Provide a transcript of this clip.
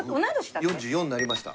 ４４なりました。